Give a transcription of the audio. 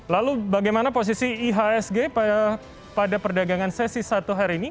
lalu bagaimana posisi ihsg pada perdagangan sesi satu hari ini